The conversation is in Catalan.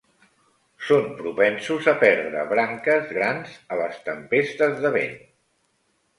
Són propensos a perdre branques grans a les tempestes de vent.